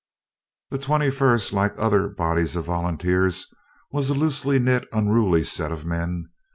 The 21st, like other bodies of volunteers, was a loosely knit, unruly set of men.